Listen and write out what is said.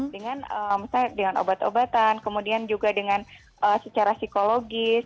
dengan misalnya dengan obat obatan kemudian juga dengan secara psikologis